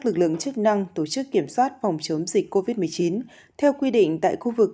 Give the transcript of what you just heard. lực lượng chức năng tổ chức kiểm soát phòng chống dịch covid một mươi chín theo quy định tại khu vực